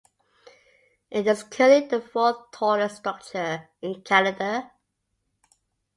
It is currently the fourth-tallest structure in Canada.